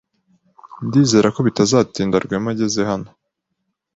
Ndizera ko bitazatinda Rwema ageze hano.